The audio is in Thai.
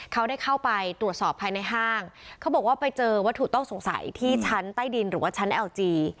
เขาได้เข้าไปตรวจสอบภายในห้างเขาบอกว่าไปเจอวัตถุต้องสงสัยที่ชั้นใต้ดินหรือว่าชั้นเอลจี